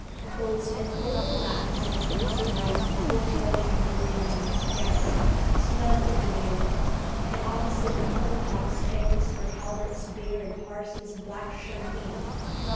Goldsmith only laughs as he describes the poor poet in Drury Lane in a garret, snug from the Bailiff, and opposite a public house famous for Calvert's beer and Parsons's "black champagne."